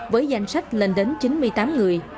với danh sách lên đến chín mươi tám người